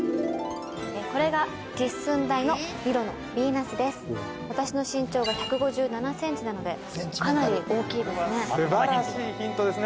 これが私の身長が１５７ｃｍなのでかなり大きいですね素晴らしいヒントですね